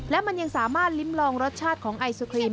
และมันยังสามารถลิ้มลองรสชาติของไอศครีม